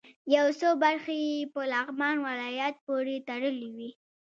یو څه برخې یې په لغمان ولایت پورې تړلې وې.